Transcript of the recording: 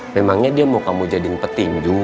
memangnya dia mau kamu jadiin petinju